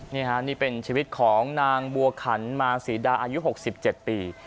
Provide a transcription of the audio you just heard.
นี่ฮะนี่เป็นชีวิตของนางบัวขันมาสีดาอายุหกสิบเจ็ดปี